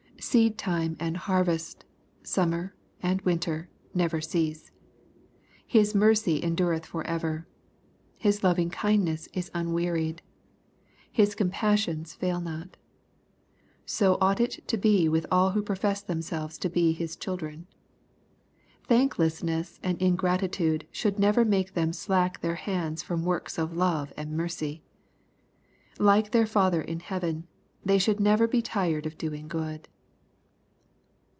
" Seed time and har vest, summer and winter, never cease." His mercy en dureth forever. His loving kindness is unwearied. His compassions fail not. So ought it to be with all who profess themselves to be His children. Thanklessness and ingratitude should not make them slack their hands from works of love and mercy. Like their Father in hpaven, they should never be tired of doing good.